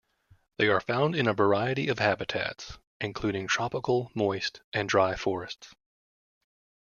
They are found in a variety of habitats, including tropical, moist, and dry forests.